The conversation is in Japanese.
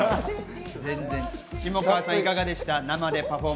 下川さん、いかがでした？